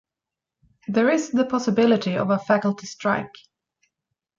There is the possibility of a faculty strike.